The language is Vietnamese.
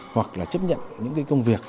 hoặc là chấp nhận những công việc